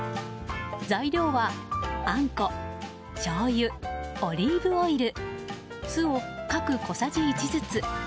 材料はあんこ、しょうゆオリーブオイル、酢を各小さじ１ずつ。